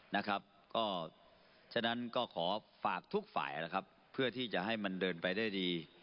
ดังนั้นขอฝากทุกฝ่ายเพื่อจะให้มันเจอไปได้ดี